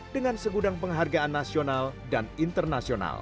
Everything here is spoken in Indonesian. dengan segudang penghargaan nasional dan internasional